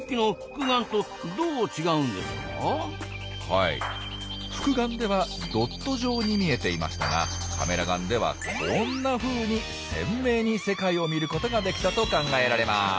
はい複眼ではドット状に見えていましたがカメラ眼ではこんなふうに鮮明に世界を見ることができたと考えられます。